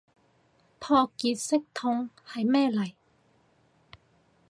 撲熱息痛係咩嚟